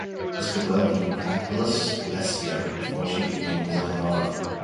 This could well be Catullus' Lesbia before she became his own lover.